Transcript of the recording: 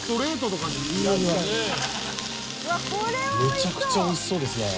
めちゃくちゃ美味しそうですね。